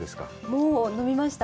もう飲みました。